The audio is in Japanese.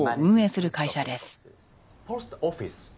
ポストオフィス？